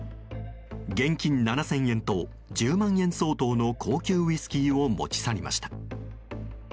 現金７０００円と１０万円相当の高級ウイスキーを持ち去りました。